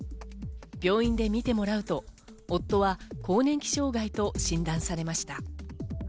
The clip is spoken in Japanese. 病院で診てもらうと、夫は更年期障害と診断されました。